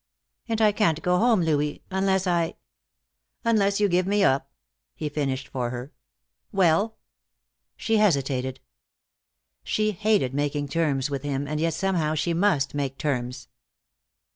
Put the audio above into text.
"And I can't go home, Louis, unless I " "Unless you give me up," he finished for her. "Well?" She hesitated. She hated making terms with him, and yet somehow she must make terms.